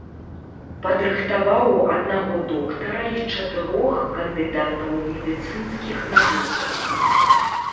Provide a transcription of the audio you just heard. Падрыхтаваў аднаго доктара і чатырох кандыдатаў медыцынскіх навук.